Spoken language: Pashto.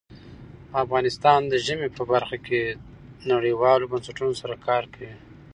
افغانستان د ژمی په برخه کې نړیوالو بنسټونو سره کار کوي.